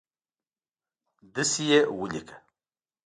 دسي یې ولیکه